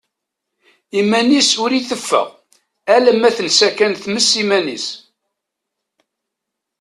Iman-is ur iteffeɣ, alamma tensa kan tmes iman-is.